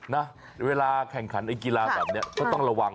นะเวลาแข่งขันไอ้กีฬาแบบนี้ก็ต้องระวัง